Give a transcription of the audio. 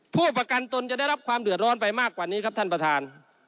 ผู้ประกันตนจะได้รับความเดือดร้อนไปมากกว่านี้ครับท่านประธาน